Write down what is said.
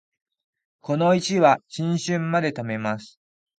この石は新春まで貯めます